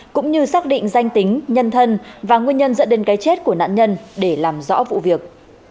cũng như xác định danh tính nhân thân và nguyên nhân dẫn đến cái chết của nạn nhân để làm rõ vụ việc